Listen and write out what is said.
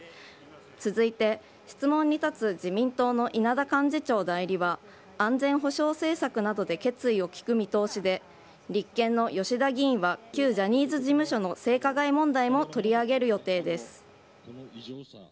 続いて、質問に立つ自民党の稲田幹事長代理は、安全保障政策などで決意を聞く見通しで、立憲の吉田議員は旧ジャニーズ事務所の性加害問題も取り上げる予定です。